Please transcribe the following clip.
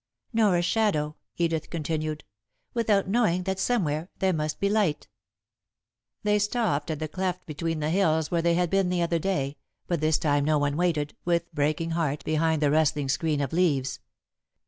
"Nor a shadow," Edith continued, "without knowing that somewhere there must be light." They stopped at the cleft between the hills, where they had been the other day, but this time no one waited, with breaking heart, behind the rustling screen of leaves.